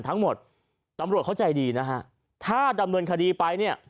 ทั้งหมดตำรวจเขาใจดีนะฮะถ้าดำเนินคดีไปเนี่ย